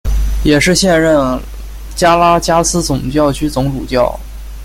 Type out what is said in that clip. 也是现任加拉加斯总教区总主教。